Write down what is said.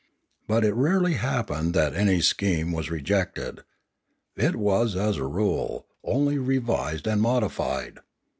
But it rarely happened that any scheme was rejected ; it was, as a rule, only revised and modified.